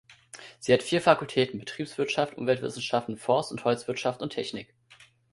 Sie hat vier Fakultäten: Betriebswirtschaft, Umweltwissenschaften, Forst- und Holzwirtschaft und Technik.